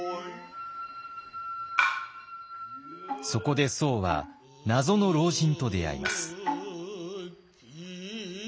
そこで僧は謎の老人と出会います。